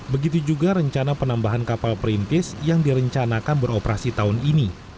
begitu juga rencana penambahan kapal perintis yang direncanakan beroperasi tahun ini